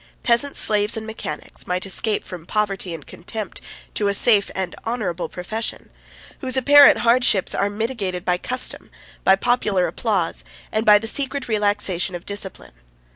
Peasants, slaves, and mechanics, might escape from poverty and contempt to a safe and honorable profession; whose apparent hardships are mitigated by custom, by popular applause, and by the secret relaxation of discipline.